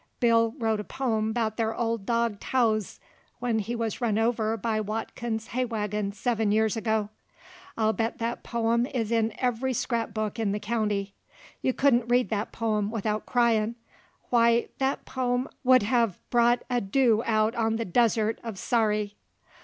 Bill wrote a pome 'bout their old dog Towze when he wuz run over by Watkins's hay wagon seven years ago. I'll bet that pome is in every scrap book in the county. You couldn't read that pome without cryin', why, that pome w'u'd hev brought a dew out on the desert uv Sary.